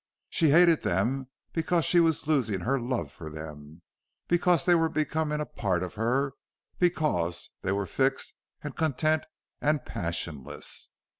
She hated them because she was losing her love for them, because they were becoming a part of her, because they were fixed and content and passionless.